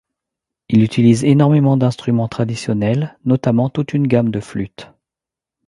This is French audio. Il utilise énormément d'instruments traditionnels, notamment toute une gamme de flûtes.